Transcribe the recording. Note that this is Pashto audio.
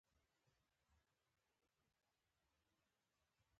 دا سبزی د معدې د تیزابیت کمولو کې ګټور دی.